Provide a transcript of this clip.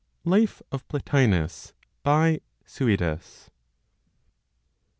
LIFE OF PLOTINOS, BY SUIDAS.